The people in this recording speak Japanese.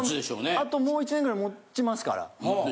あともう１年ぐらいもちますから。